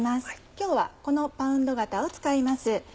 今日はこのパウンド型を使います。